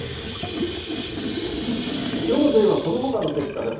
きょうのＪ１そのほかの結果です。